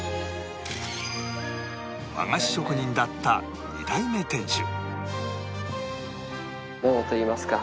和菓子職人だった２代目店主